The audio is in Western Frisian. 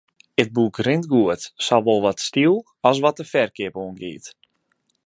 It boek rint goed, sawol wat styl as wat de ferkeap oangiet.